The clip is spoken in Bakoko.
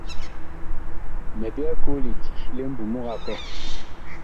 Mi byɛɛ koo lidi li mbumug a kɔh.